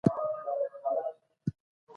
د ملکیت غصب د شخړو او جنجالونو لامل کیږي.